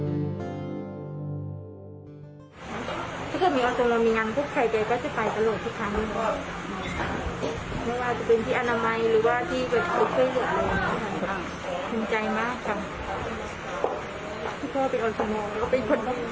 อาบปึ๊บยัง